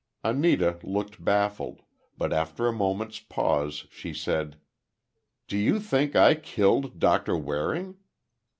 Anita looked baffled, but after a moment's pause, she said, "Do you think I killed Doctor Waring?"